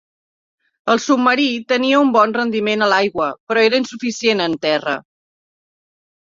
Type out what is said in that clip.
El submarí tenia un bon rendiment a l'aigua, però era insuficient en terra.